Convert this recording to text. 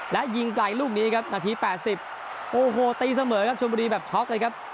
และยิงไกลลูกนี้ครับนาที๘๐โอ้โหตีเสมอครับชนบุรีแบบช็อกเลยครับ